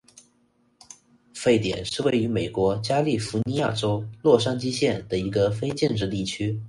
沸点是位于美国加利福尼亚州洛杉矶县的一个非建制地区。